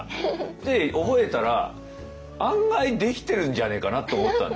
で覚えたら案外できてるんじゃねえかなと思ったんですよ。